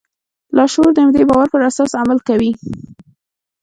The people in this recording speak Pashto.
لاشعور د همدې باور پر اساس عمل کوي